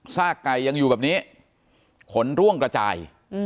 ไก่ยังอยู่แบบนี้ขนร่วงกระจาย